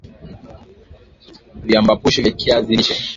Viambaupishi vya kiazi lishe